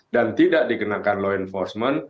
dan tidak dikenakan law enforcement